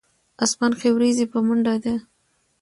اسمان کښې وريځ پۀ منډو ده